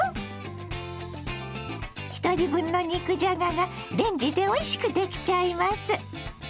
ひとり分の肉じゃががレンジでおいしくできちゃいます。